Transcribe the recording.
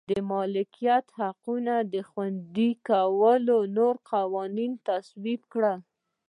د مالکیت حقونو د خوندي کولو نوي قوانین تصویب کړل.